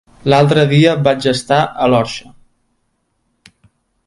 L'altre dia vaig estar a l'Orxa.